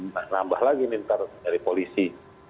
nah nambah lagi nih ntar dari polisi